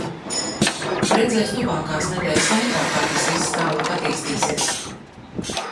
Redzēs tuvākās nedēļas laikā, kā tas viss tālāk attīstīsies.